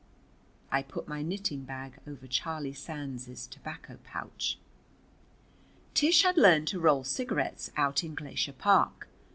I put my knitting bag over Charlie Sands's tobacco pouch. Tish had learned to roll cigarettes out in Glacier Park.